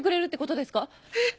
えっ！